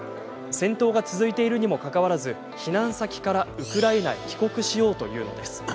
戦闘が続いているにもかかわらず避難先からウクライナに帰国しようというんです。